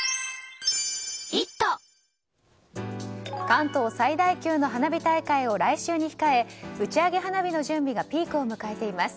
関東最大級の花火大会を来週に控え打ち上げ花火の準備がピークを迎えています。